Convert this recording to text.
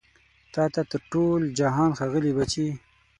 تا ته تر ټول جهان ښاغلي بچي